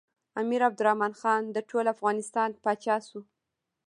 امیر عبدالرحمن خان د ټول افغانستان پاچا شو.